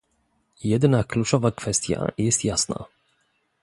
Jedna kluczowa kwestia jest jasna